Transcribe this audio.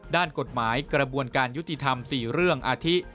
ด้านกฎหมายกระบวนการยุติธรรม๔เรื่องอาทิ